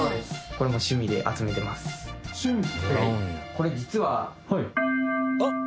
これ実は。